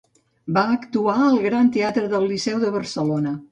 Va actuar al Gran Teatre del Liceu de Barcelona.